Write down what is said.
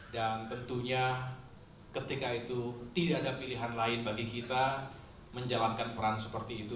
dan tentunya ketika itu tidak ada pilihan lain bagi kita menjalankan peran seperti itu